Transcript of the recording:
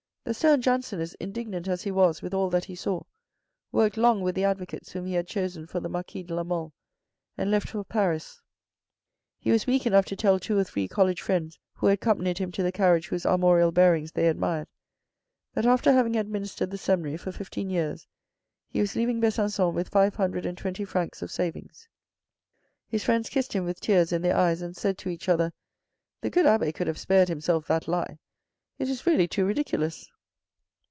The stern Jansenist, indignant as he was with all that he saw, worked long with the advocates whom he had chosen for the Marquis de la Mole, and left for Paris. He was weak enough to tell two or three college friends who accompanied him to the carriage whose armorial bearings they admired, that after having administered the Seminary for fifteen years he was leaving Besancon with five hundred and twenty francs of savings. His friends kissed him with tears in their eyes, and said to each other, " The good abbe could have spared himself that lie. It is really too ridiculous."